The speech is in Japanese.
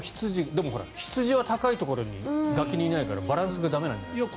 でも、羊は高いところ崖にいないから、バランスが駄目なんじゃないですか？